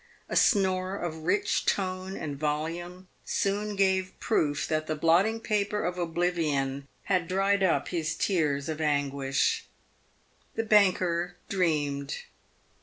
A snore of rich tone and volume soon gave proof that the blotting paper of oblivion had dried up his tears of anguish. The banker dreamed.